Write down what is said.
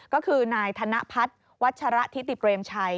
ก็คือนายธนพัฒน์วัชระทิติเปรมชัย